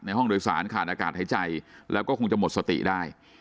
ห้องโดยสารขาดอากาศหายใจแล้วก็คงจะหมดสติได้